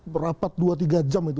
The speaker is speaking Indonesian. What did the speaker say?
berapat dua tiga jam itu